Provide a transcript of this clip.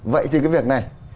vậy thì cái việc này